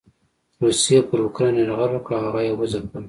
روسيې پر اوکراين يرغل وکړ او هغه یې وځپلو.